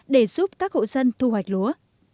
để giúp các hộ dân thu hoạch lúa